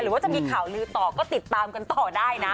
ว่าจะมีข่าวลือต่อก็ติดตามกันต่อได้นะ